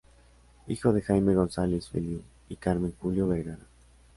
Hijo de Jaime González Feliú y Carmen Julio Vergara.